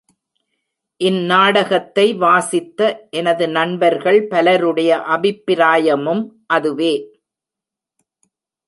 இந்நாடகத்தை வாசித்த எனது நண்பர்கள் பலருடைய அபிப்பிராயமும் அதுவே.